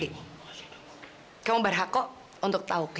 iya oke yaudah kita makan dulu oke